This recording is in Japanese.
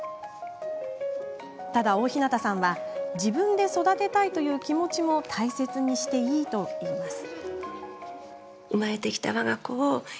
ただ大日向さんは自分で育てたいという気持ちを大切にしてもいいというふうに言っています。